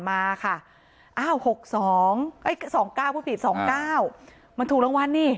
มันถูกรางวัลนี่